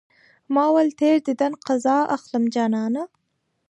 ما ويل تېر ديدن قضا اخلم جانانه